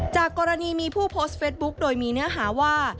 จากกรณีมีผู้โพสต์เฟสบุ๊คโดยมีเนื้อหาว่า